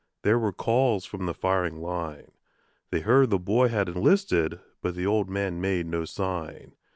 There were calls from the firing line; They heard the boy had enlisted, but the old man made no sign.